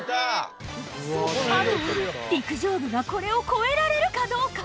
あとは陸上部がこれを超えられるかどうか。